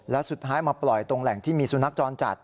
แล้วสุดท้ายมาปล่อยตรงแหล่งที่มีสุนัขจรจัด